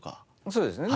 そうですね。